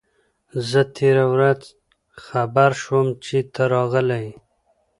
زه تېره ورځ خبر شوم چي ته راغلی یې.